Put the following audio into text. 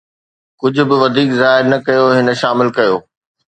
ڪجھ به وڌيڪ ظاهر نه ڪيو، هن شامل ڪيو